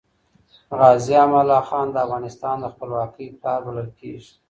غازي امان الله خان د افغانستان د خپلواکۍ پلار بلل کیږي.